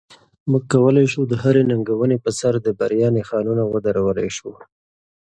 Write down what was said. موږ کولی شو د هرې ننګونې په سر د بریا نښانونه ودرولای شو.